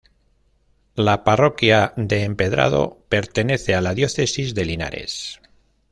La Parroquia de Empedrado pertenece a la Diócesis de Linares.